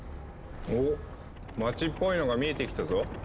おっ街っぽいのが見えてきたぞ。